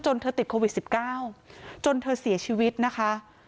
เธอติดโควิด๑๙จนเธอเสียชีวิตนะคะ